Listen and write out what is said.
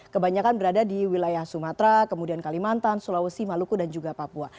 kebanyakan berada di wilayah sumatera kemudian kalimantan sulawesi maluku dan juga papua